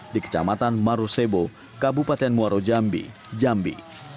di kecamatan marusebo kabupaten muaro jambi jambi